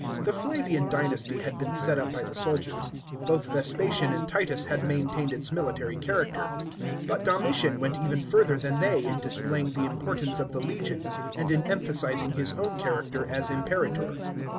The Flavian dynasty had been set up by the soldiers; both Vespasian and Titus had maintained its 88 A.D. BE VOLT OF SATUBNINUS. 389 military character ; but Domitian went even further than iney in displaying the importance of the legions and in emphasising his own character as Imperator.